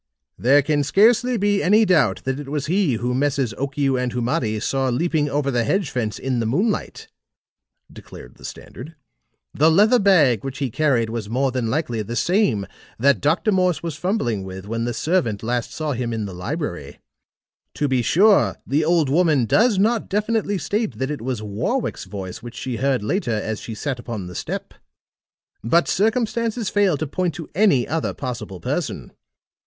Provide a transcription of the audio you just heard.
"There can scarcely be any doubt that it was he whom Messrs. Okiu and Humadi saw leaping over the hedge fence in the moonlight," declared the Standard. "The leather bag which he carried was more than likely the same that Dr. Morse was fumbling with when the servant last saw him in the library. To be sure, the old woman does not definitely state that it was Warwick's voice which she heard later as she sat upon the step. But circumstances fail to point to any other possible person.